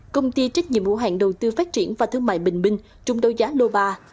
công ty trách nhiệm hữu hạn đầu tư phát triển và thương mại bình minh trúng đối giá lô ba chín